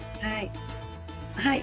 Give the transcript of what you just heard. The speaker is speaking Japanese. はい。